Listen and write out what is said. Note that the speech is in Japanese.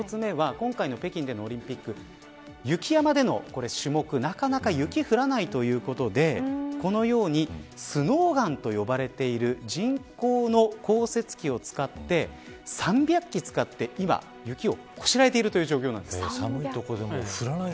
１つ目は今回の北京でのオリンピック雪山での種目なかなか雪が降らないってことでこのようにスノーガンと呼ばれている人工の降雪機を使って３００基使って今、雪ををこしらえているという状況なんです。